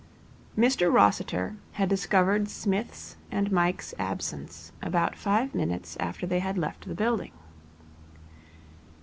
Mr Rossiter had discovered Psmith's and Mike's absence about five minutes after they had left the building.